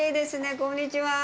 こんにちは。